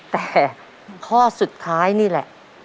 แต่ข้อสุดท้ายนี่แหละ